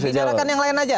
bicarakan yang lain aja